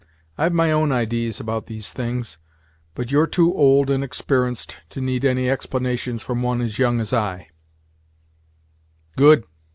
I've my own idees about these things; but you're too old and exper'enced to need any explanations from one as young as I." "Good!"